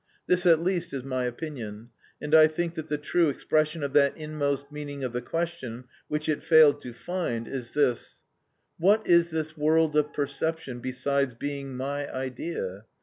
This at least is my opinion, and I think that the true expression of that inmost meaning of the question, which it failed to find, is this:—What is this world of perception besides being my idea?